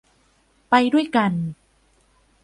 ไปด้วยกัน